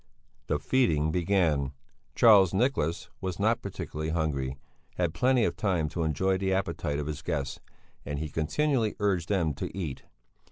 The feeding began. Charles Nicholas who was not particularly hungry, had plenty of time to enjoy the appetite of his guests, and he continually urged them to eat.